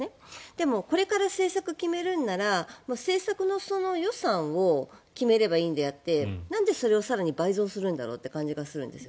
でも、これから政策を決めるなら政策の予算を決めればいいのであってなんでそれを更に倍増するんだろうという感じがするんです。